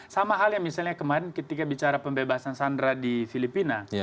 sama hal yang misalnya kemarin ketika bicara pembebasan sandra di filipina